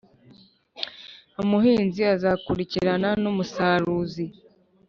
umuhinzi azakurikirana n’umusaruzi